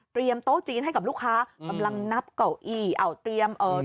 เตรียมโต๊ะจีนให้กับลูกค้าบำรังนับเก่าอี้เอาเตรียม